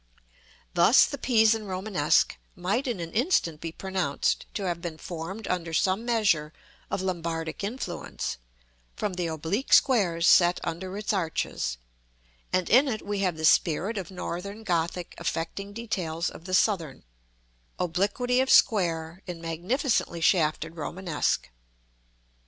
Thus, the Pisan Romanesque might in an instant be pronounced to have been formed under some measure of Lombardic influence, from the oblique squares set under its arches; and in it we have the spirit of northern Gothic affecting details of the southern; obliquity of square, in magnificently shafted Romanesque.